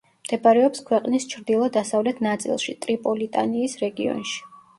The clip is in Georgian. მდებარეობს ქვეყნის ჩრდილო-დასავლეთ ნაწილში, ტრიპოლიტანიის რეგიონში.